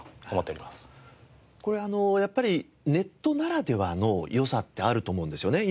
これやっぱりネットならではの良さってあると思うんですよね。